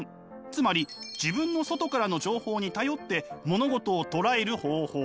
つまり自分の外からの情報に頼って物事をとらえる方法。